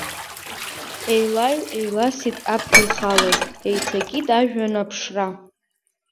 Еилаҩ-еиласит аԥҭа ихалаз, еицакит ажәҩан аԥшра.